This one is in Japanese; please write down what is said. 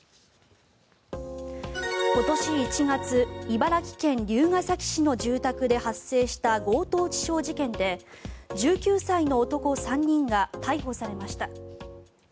今年１月茨城県龍ケ崎市の住宅で発生した強盗致傷事件で１９歳の男３人が逮捕されました。